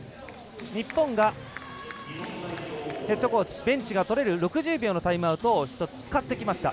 日本がヘッドコーチベンチがとれる６０秒のタイムアウトを１つ使ってきました。